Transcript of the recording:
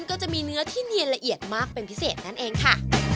ก็จะมีเนื้อที่เนียนละเอียดมากเป็นพิเศษนั่นเองค่ะ